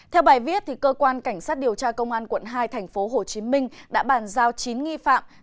theo bài viết cơ quan cảnh sát điều tra công an quận hai tp hcm đã bàn giao chín nghi phạm